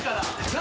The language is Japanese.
・何！？